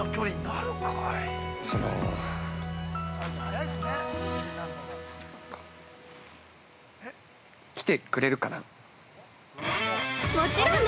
その来てくれるかな？